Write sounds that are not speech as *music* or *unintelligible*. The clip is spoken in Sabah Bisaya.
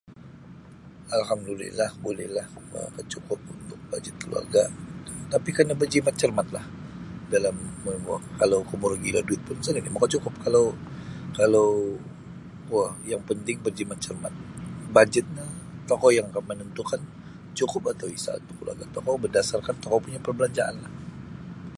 Alhamdulillah bulilah makacukup untuk bajet keluarga tapi kena berjimat cermatlah dalam *unintelligible* kalau komburo gilo duit pun sa nini makacukup kalau kalau kuo yang penting berjimat cermat bajet no tokou yang akan menantukan cukup atau isa untuk keluarga tokou berdasarkan tokou punya perbelanjaanlah.